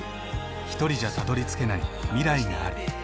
ひとりじゃたどりつけない未来がある。